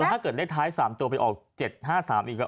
ถ้าเกิดเลขท้าย๓ตัวไปออก๗๕๓อีกก็